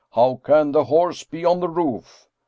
How can the horse be on the roof?